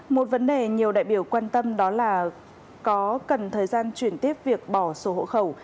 một vấn đề nhiều đại biểu quan tâm đó là có cần thời gian chuyển tiếp việc bỏ sổ hộ khẩu